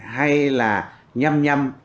hay là nhăm nhăm